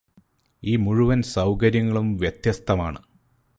ഈ മുഴുവൻ സൗകര്യങ്ങളും വെത്യസ്തമാണ്